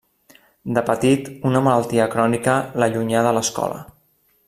De petit una malaltia crònica l'allunyà de l'escola.